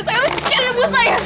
saya harus cari ibu saya